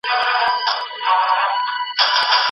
بریالي کسان به تل خپله خوشحالي ساتي.